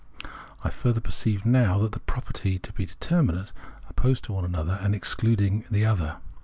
I further perceive now the property to be determinate, opposed to another and excluding this other.